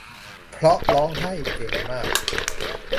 เพราะร้องไห้เก่งมาก